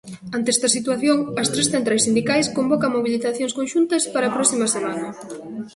Ante esta situación, as tres centrais sindicais convocan mobilizacións conxuntas para a próxima semana.